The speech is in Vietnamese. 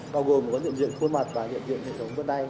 bao gồm một cái nhiệm diện khuôn mặt và nhiệm diện hệ thống bất đai